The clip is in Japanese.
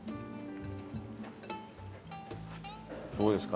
どうですか？